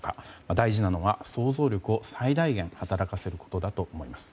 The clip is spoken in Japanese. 大事なのは想像力を最大限働かせることだと思います。